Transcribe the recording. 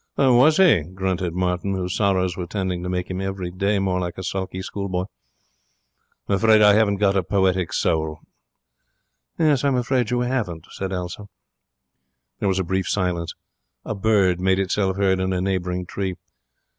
'Was he?' grunted Martin, whose sorrows were tending to make him every day more like a sulky schoolboy. 'I'm afraid I haven't got a poetic soul.' 'I'm afraid you haven't,' said Elsa. There was a brief silence. A bird made itself heard in a neighbouring tree.